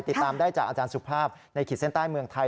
ติดตามได้จากอาจารย์สุภาพในขีดเส้นใต้เมืองไทย